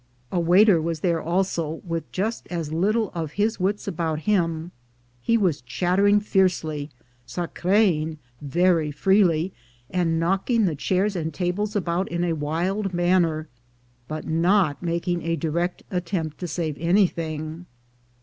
A waiter was there also, with just as little of his wits about him; he was chatter ing fiercely, sacreing very freely, and knocking the chairs and tables about in a wild manner, but not making a direct attempt to save anything.